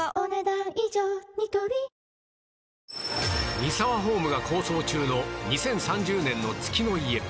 ミサワホームが構想中の２０３０年の月の家